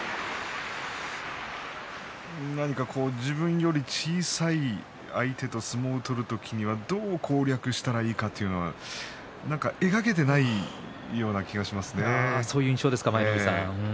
何か自分より小さい相手と相撲を取る時にはどう攻略したらいいかというのが描けていないようなそういう印象ですか。